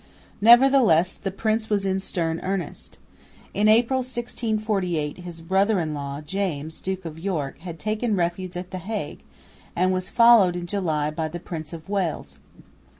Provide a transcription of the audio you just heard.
Nevertheless the prince was in stern earnest. In April, 1648, his brother in law, James, Duke of York, had taken refuge at the Hague, and was followed in July by the Prince of Wales.